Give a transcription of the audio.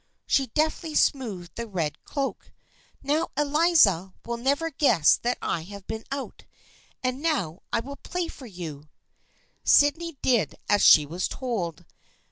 She deftly smoothed the red cloak. " Now Eliza will never guess that I have been out. And now I will play for you." Sydney did as she was told.